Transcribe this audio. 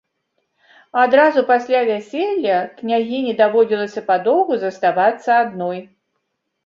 Адразу пасля вяселля княгіні даводзілася падоўгу заставацца адной.